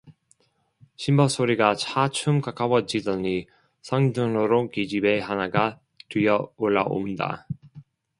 신발 소리가 차츰 가까워지더니 산등으로 계집애 하나가 뛰어 올라온다.